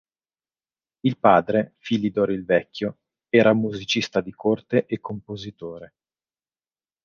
Il padre, Philidor il Vecchio, era musicista di corte e compositore.